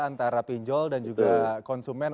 antara pinjol dan juga konsumen